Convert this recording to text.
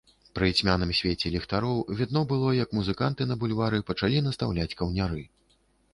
Пры цьмяным свеце ліхтароў відно было, як музыканты на бульвары пачалі настаўляць каўняры.